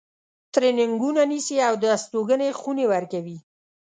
ترینینګونه نیسي او د استوګنې خونې ورکوي.